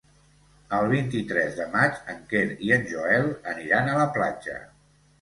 El vint-i-tres de maig en Quer i en Joel aniran a la platja.